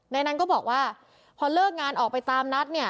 นายนั้นก็บอกว่าพอเลิกงานออกไปตามนัดเนี่ย